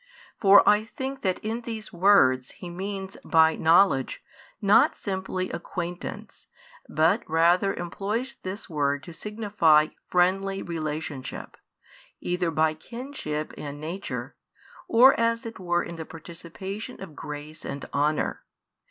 For I think that in these words He means by "knowledge" not simply "acquaintance," but rather employs this word to signify "friendly relationship," either by kinship and nature, or as it were in the participation of grace and honour.